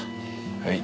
はい。